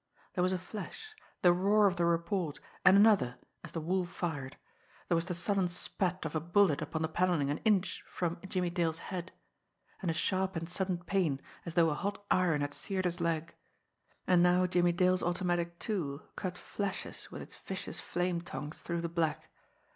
There was a flash, the roar of the report and another as the Wolf fired! There was the sullen spat of a bullet upon the panelling an inch from Jimmie Dale's head and a sharp and sudden pain, as though a hot iron had seared his leg. And now Jimmie Dale's automatic, too, cut flashes with its vicious flame tongues through the black.